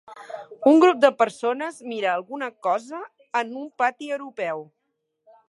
Un grup de persones mira alguna cosa en un pati europeu.